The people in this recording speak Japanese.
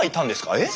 えっ？